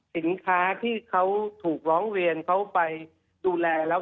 สินค้าที่เขาถูกร้องเรียนเขาไปดูแลแล้ว